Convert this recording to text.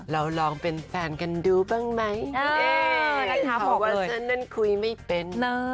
เราลองเป็นแฟนกันดูบ้างไหม